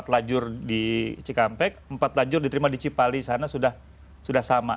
empat lajur di cikampek empat lajur diterima di cipali sana sudah sama